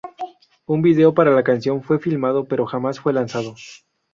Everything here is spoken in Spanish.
Un vídeo para la canción fue filmado pero jamás fue lanzado.